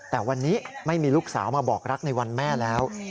แต่วันนี้ไม่มีลูกสาวมาบอกรักในวันแม่แล้ว